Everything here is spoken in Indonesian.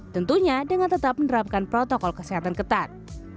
tentunya dengan tetap menerapkan protokol kesehatan ketat